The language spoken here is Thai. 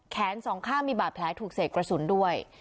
สองข้างมีบาดแผลถูกเสกกระสุนด้วย